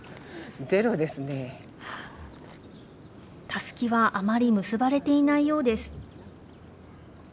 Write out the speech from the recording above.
たすきはあまり結ばれていないようです。